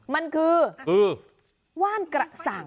มันคือว่านกระสั่ง